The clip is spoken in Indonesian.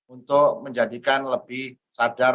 untuk menjadikan lebih sadar